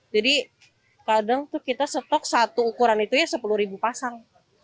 jadi kadang tuh kita setok satu ukuran itu ya sepuluh pasang